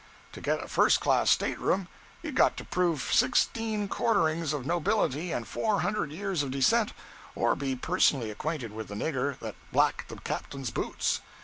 To get a first class stateroom, you'd got to prove sixteen quarterings of nobility and four hundred years of descent, or be personally acquainted with the nigger that blacked the captain's boots.